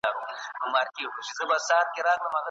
د سياسي فکري جريانونو ريښې په دقت وڅېړئ.